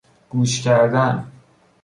گوش کردن